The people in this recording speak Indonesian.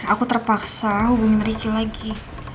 aku terpaksa hubungin ricky lagi